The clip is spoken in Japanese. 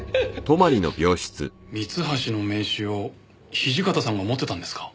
三橋の名刺を土方さんが持ってたんですか？